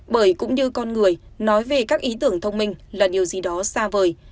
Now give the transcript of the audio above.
bởi cũng như con người nói về các ý tưởng thông minh là điều gì đó xa vời